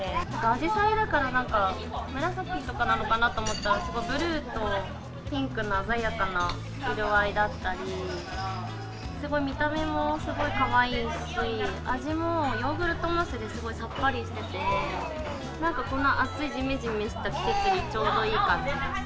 あじさいだから、なんか紫とかなのかなと思ったら、ブルーとピンクの鮮やかな色合いだったり、すごい見た目もすごいかわいいし、味もヨーグルトムースで、すごいさっぱりしてて、なんかこの暑いじめじめした季節にちょうどいい感じです。